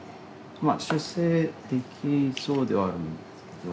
まあ修正できそうではあるんですけど。